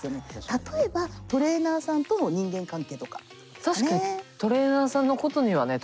例えばトレーナーさんとの人間関係とか。